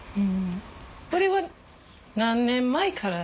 これは何年前から？